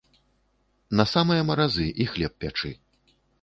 На самыя маразы, і хлеб пячы.